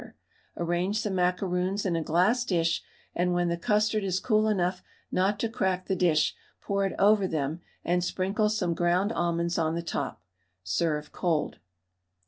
Arrange the macaroons in a glass dish, and when the custard is cool enough not to crack the dish, pour it over them and sprinkle some ground almonds on the top. Serve cold.